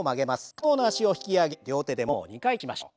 片方の脚を引き上げ両手でももを２回タッチしましょう。